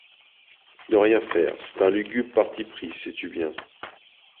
Ne rien faire, c’est un lugubre parti pris, sais-tu bien ?